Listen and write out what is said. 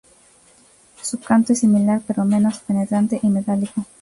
Su canto es similar pero menos penetrante y metálico.